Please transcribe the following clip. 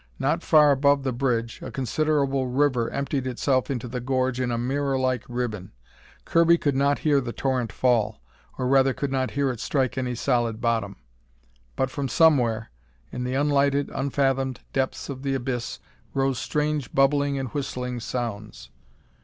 Not far above the bridge, a considerable river emptied itself into the gorge in a mirrorlike ribbon. Kirby could not hear the torrent fall or rather could not hear it strike any solid bottom. But from somewhere in the unlighted, unfathomed depths of the abyss rose strange bubbling and whistling sounds.